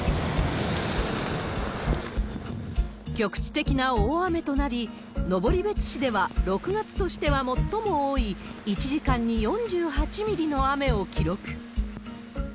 局地的な大雨となり、登別市では６月としては最も多い、１時間に４８ミリの雨を記録。